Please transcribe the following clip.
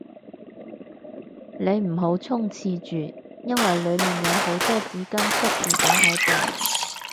你唔好衝廁住，因為裏面有好多紙巾塞住咗喺度